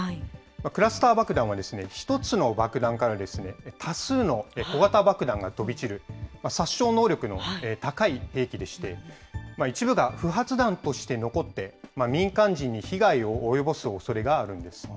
クラスター爆弾は１つの爆弾から、多数の小型爆弾が飛び散る、殺傷能力の高い兵器でして、一部が不発弾として残って、民間人に被害を及ぼすおそれがあるんです。